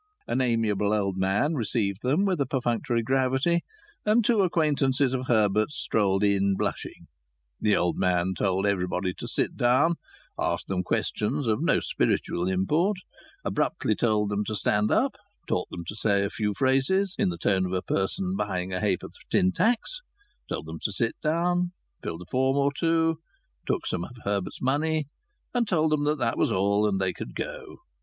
An amiable old man received them with a perfunctory gravity, and two acquaintances of Herbert's strolled in, blushing. The old man told everybody to sit down, asked them questions of no spiritual import, abruptly told them to stand up, taught them to say a few phrases, in the tone of a person buying a ha' porth of tin tacks, told them to sit down, filled a form or two, took some of Herbert's money, and told them that that was all, and that they could go.